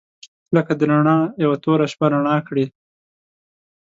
• ته لکه د رڼا یوه توره شپه رڼا کړې.